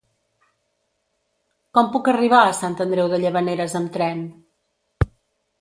Com puc arribar a Sant Andreu de Llavaneres amb tren?